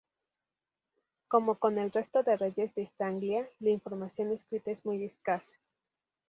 Como con el resto de reyes de Estanglia, la información escrita es muy escasa.